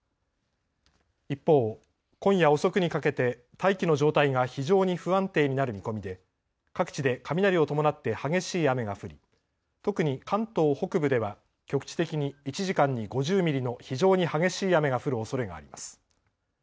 一方、今夜遅くにかけて大気の状態が非常に不安定になる見込みで各地で雷を伴って激しい雨が降り特に関東北部では局地的に１時間に５０ミリの非常に激しい雨が降るおそれがあります。